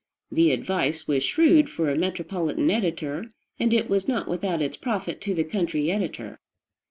The advice was shrewd for a metropolitan editor, and it was not without its profit to the country editor.